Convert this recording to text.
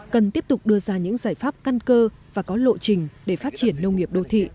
cần tiếp tục đưa ra những giải pháp căn cơ và có lộ trình để phát triển nông nghiệp đô thị